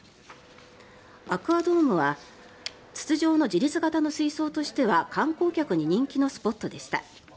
アクア・ドームは筒状の自立型の水槽としては観光客の人気のスポットでした。